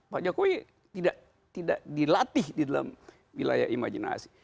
pak jokowi tidak dilatih di dalam wilayah imajinasi